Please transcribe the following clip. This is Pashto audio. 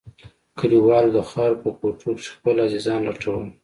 کليوالو د خاورو په کوټو کښې خپل عزيزان لټول.